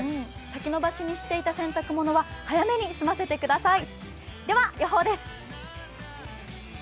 先延ばしにしていた洗濯物は早めに済ませてください。